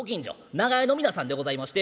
長屋の皆さんでございまして。